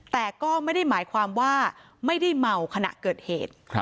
แต่ก็ไม่ได้หมายความว่าไม่ได้เมาขณะเกิดเหตุ